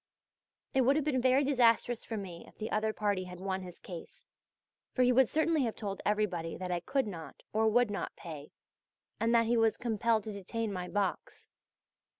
It would have been very disastrous for me if the other party had won his case, for he would certainly have told everybody that I could not, or would not, pay, and that he was compelled to detain my box.